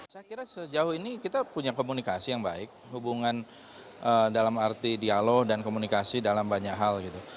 saya kira sejauh ini kita punya komunikasi yang baik hubungan dalam arti dialog dan komunikasi dalam banyak hal gitu